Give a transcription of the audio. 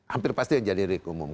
hampir pasti akan jadi diri keumum